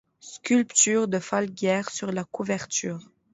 Sculpture de Falguière sur la couverture.